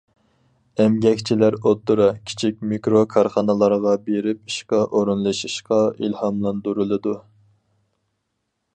ئەمگەكچىلەر ئوتتۇرا، كىچىك، مىكرو كارخانىلارغا بېرىپ ئىشقا ئورۇنلىشىشقا ئىلھاملاندۇرۇلىدۇ.